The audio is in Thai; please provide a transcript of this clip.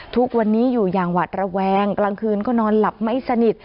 ทุกวันนี้อยู่อย่างหวัดระแวงกลางคืนก็นอนหลับไม่สนิท